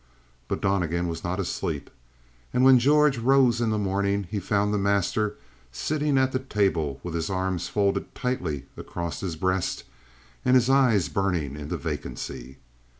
But Donnegan was not asleep, and when George rose in the morning, he found the master sitting at the table with his arms folded tightly across his breast and his eyes burning into vacancy.